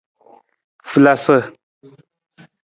Falasa.